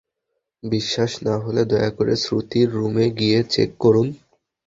বিশ্বাস না হলে, দয়া করে শ্রুতির রুমে গিয়ে চেক করুন।